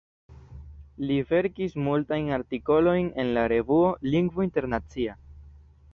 Li verkis multajn artikolojn en la revuo "Lingvo Internacia".